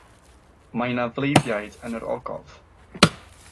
Mae 'na fleiddiaid yn yr ogof.